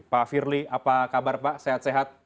pak firly apa kabar pak sehat sehat